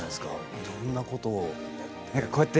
いろんなことをやって。